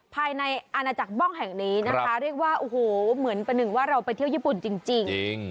ภายในอาณาจักรบ้องแห่งนี้นะคะเรียกว่าโอ้โหเหมือนประหนึ่งว่าเราไปเที่ยวญี่ปุ่นจริง